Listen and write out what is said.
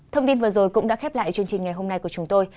thông tin vừa rồi cũng đã khép lại chương trình ngày hôm nay của chúng tôi